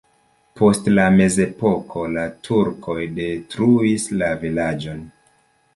Post la mezepoko la turkoj detruis la vilaĝon.